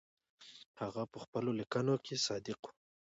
هغه په خپلو لیکنو کې صادق و.